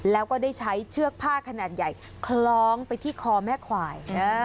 แล้วก็ได้ใช้เชือกผ้าขนาดใหญ่คล้องไปที่คอแม่ควาย